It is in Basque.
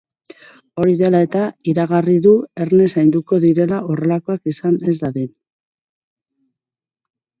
Hori dela eta, iragarri du erne zainduko direla horrelakorik izan ez dadin.